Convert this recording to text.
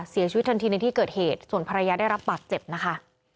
เสียชีวิตทันทีในที่เกิดเหตุส่วนภรรยาได้รับบาดเจ็บนะคะ